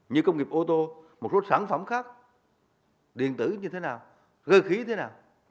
như công nghiệp ô tô một số sản phẩm khác điện tử như thế nào cơ khí thế nào